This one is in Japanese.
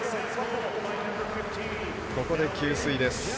ここで給水です。